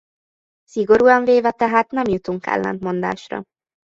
Szigorúan véve tehát nem jutunk ellentmondásra.